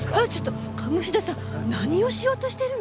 鴨志田さん何をしようとしてるの？